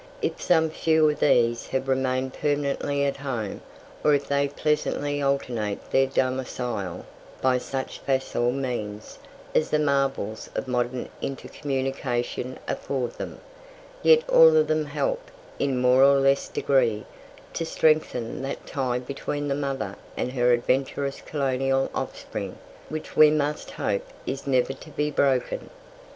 If some few of these have remained permanently at Home, or if they pleasantly alternate their domicile by such facile means as the marvels of modern inter communication afford them, yet all of them help, in more or less degree, to strengthen that tie between the mother and her adventurous colonial offspring which we must hope is never to be broken.